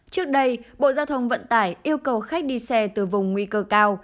trước đây bộ giao thông vận tải yêu cầu khách đi xe từ vùng nguy cơ cao